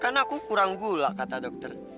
karena aku kurang gula kata dokter